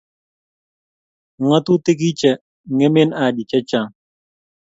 Ngatutitik kiche ngemen Haji che chang.